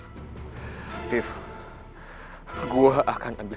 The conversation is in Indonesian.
gua akan tinggal sama ibu kamu